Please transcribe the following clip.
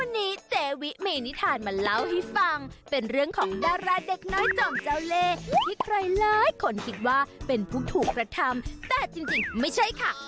วันนี้เจวิเมนิทานมาเล่าให้ฟังเป็นเรื่องของดาราเด็กน้อยจ่อมเจ้าเล่ที่ใครหลายคนคิดว่าเป็นผู้ถูกกระทำแต่จริงไม่ใช่ค่ะ